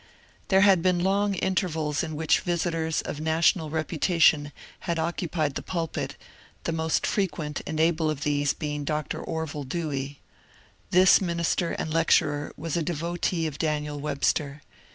There had been long intervals in which visitors of national reputation had occupied the pulpit, the most frequent and able of these being Dr. Orville Dewey. This minister and lecturer was a devotee of Daniel Webster.